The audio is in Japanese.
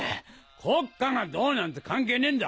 国家がどうなんて関係ねえんだ。